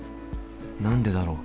何でだろう？